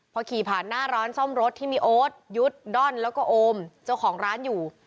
พอขี่ผ่านหน้าร้านซ่อมรถที่มีโอ๊ตยุทธ์ด้อนแล้วก็โอมเจ้าของร้านอยู่